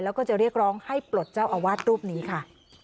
แล้วก็จะเรียกร้องให้ปลดเจ้าอาวาสรูปนี้ค่ะ